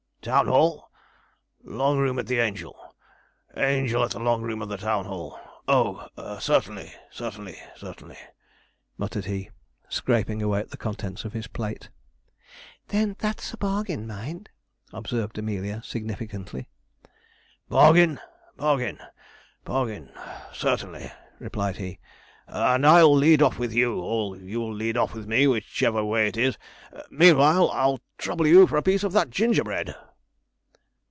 'Town hall long room at the Angel Angel at the long room of the town hall oh, certainly, certainly, certainly,' muttered he, scraping away at the contents of his plate. 'Then that's a bargain, mind,' observed Amelia significantly. 'Bargain, bargain, bargain certainly,' replied he; 'and I'll lead off with you, or you'll lead off with me whichever way it is meanwhile, I'll trouble you for a piece of that gingerbread.'